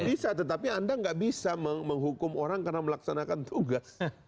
bisa tetapi anda nggak bisa menghukum orang karena melaksanakan tugas